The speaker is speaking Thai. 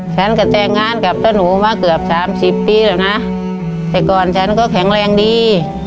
ฉันก็แต่งงานกับเจ้าหนูมาเกือบสามสิบปีแล้วนะแต่ก่อนฉันก็แข็งแรงดี